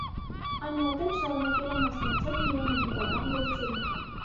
Այնուհետև շարունակել է մասնակցել դիվանագիտական գործերին։